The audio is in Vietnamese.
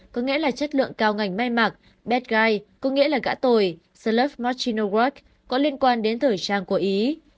có nghĩa là chất lượng cao ngành may mặc bad guy có nghĩa là gã tồi self martial work có liên quan đến thử trang của ý